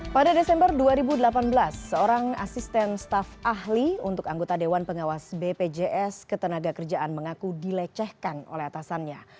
pada desember dua ribu delapan belas seorang asisten staf ahli untuk anggota dewan pengawas bpjs ketenaga kerjaan mengaku dilecehkan oleh atasannya